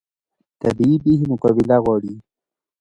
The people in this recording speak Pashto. طبیعي پیښې مقابله غواړي